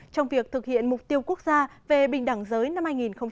trong việc thực hiện mục tiêu quốc gia về bình đẳng giới năm hai nghìn một mươi tám